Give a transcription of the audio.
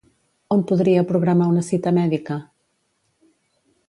On podria programar una cita mèdica?